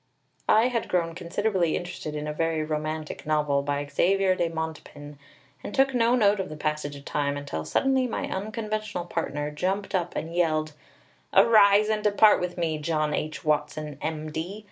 I had grown considerably interested in a very romantic novel by Xavier de Montepin, and took no note of the passage of time until suddenly my unconventional partner jumped up and yelled: "Arise and depart with me, John H. Watson, M. D.!